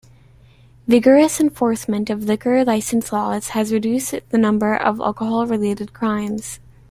Vigorous enforcement of liquor license laws has reduced the number of alcohol-related crimes.